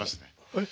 えっ？